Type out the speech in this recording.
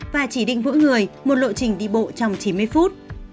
và chỉ định mỗi người một lộ trình đi bộ trong chín mươi phút